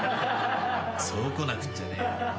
そうこなくっちゃね。